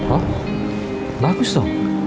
oh bagus dong